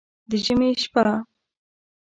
د ژمي شپه